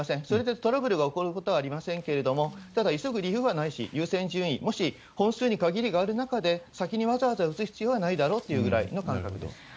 それでトラブルが起こることはありませんけれども、ただ、急ぐ理由はないし、優先順位、もし本数に限りがある中で、先にわざわざ打つ必要はないだろうって感覚です。